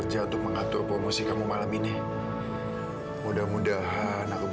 justru yang aku pikirin itu di